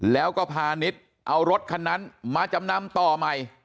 แล้วก็พานิดเอารถคันนั้นมาจำนำต่อใหม่